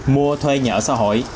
mua thuê nhà ở xã hội